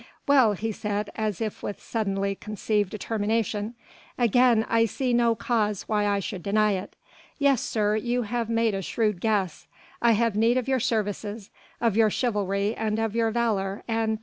"Well," he said as if with suddenly conceived determination, "again I see no cause why I should deny it. Yes, sir, you have made a shrewd guess. I have need of your services, of your chivalry and of your valour and